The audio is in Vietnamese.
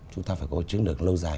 chúng ta phải có chứng được lâu dài